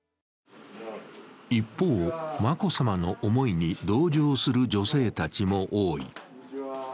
一方、眞子さまの思いに同情する女性たちも多い。